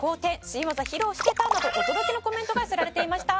“新技披露してた？”など驚きのコメントが寄せられていました。